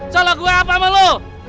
salah gue apa sama lu